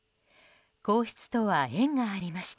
皇室とは縁がありました。